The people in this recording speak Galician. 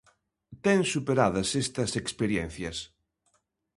Ten superadas estas experiencias.